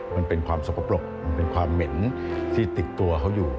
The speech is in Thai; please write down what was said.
มันเป็นความสกปรกมันเป็นความเหม็นที่ติดตัวเขาอยู่